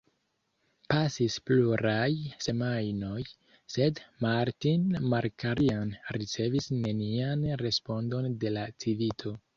Pasis pluraj semajnoj, sed Martin Markarian ricevis nenian respondon de la Civito.